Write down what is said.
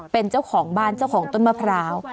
เป็นเจ้าของบ้านเจ้าของต้นมะพร้าว